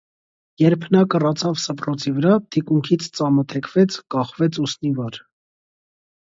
Երբ նա կռացավ սփռոցի վրա, թիկունքից ծամը թեքվեց, կախվեց ուսն ի վար: